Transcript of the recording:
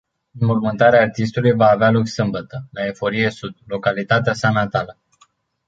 Înmormântarea artistului va avea loc sâmbătă, la Eforie Sud, localitatea sa natală.